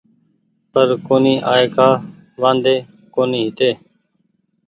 پر ڪونيٚ آئي ڪآ وآدي ڪونيٚ هيتي